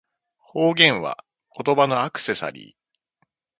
方言は、言葉のアクセサリー